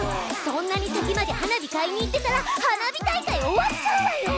そんなに先まで花火買いに行ってたら花火大会終わっちゃうわよ！